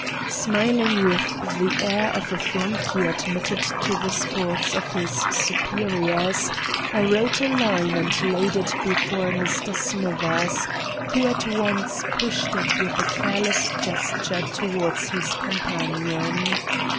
"Smiling with the air of a flunkey admitted to the sports of his superiors, I wrote a line and laid it before Mr. Smithers, who at once pushed it with a careless gesture towards his companion.